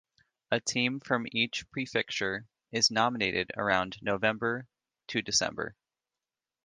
A team from each prefecture is nominated around November-December.